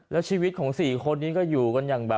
แล้วชีวิตของ๔คนนี้ก็อยู่กันอย่างแบบ